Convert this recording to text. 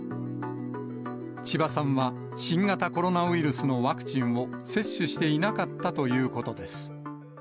千葉さんは、新型コロナウイルスのワクチンを接種していなかったということです。